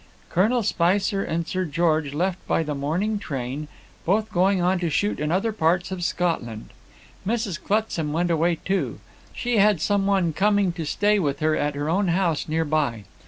Colonel Spicer and Sir George left by the morning train, both going on to shoot in other parts of Scotland. Mrs. Clutsam went away too; she had some one coming to stay with her at her own house near by.